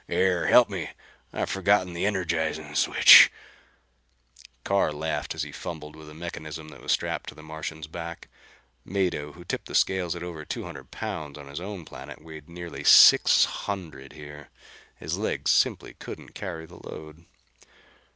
Here, help me. I've forgotten the energizing switch." Carr laughed as he fumbled with a mechanism that was strapped to the Martian's back. Mado, who tipped the scales at over two hundred pounds on his own planet, weighed nearly six hundred here. His legs simply couldn't carry the load!